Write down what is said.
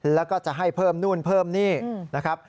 แล้วก็จะให้เพิ่มนู่นเพิ่มนี่นะครับ